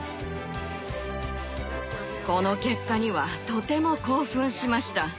この結果にはとても興奮しました。